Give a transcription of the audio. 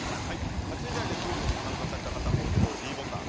８時台でクイズに参加された方はもう一度ｄボタン。